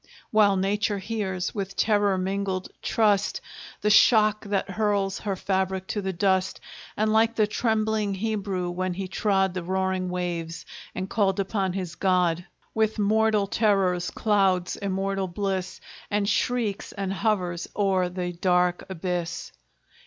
While Nature hears, with terror mingled trust, The shock that hurls her fabric to the dust; And like the trembling Hebrew, when he trod The roaring waves, and called upon his God, With mortal terrors clouds immortal bliss, And shrieks, and hovers o'er the dark abyss!